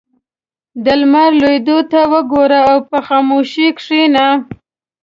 • د لمر لوېدو ته وګوره او په خاموشۍ کښېنه.